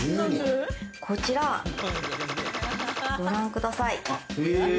こちらご覧ください。